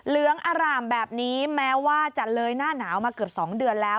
เหลืองอร่ามแบบนี้แม้ว่าจะเลยหน้าหนาวมาเกือบ๒เดือนแล้ว